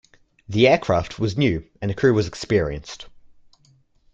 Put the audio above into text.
The aircraft was new and the crew was experienced.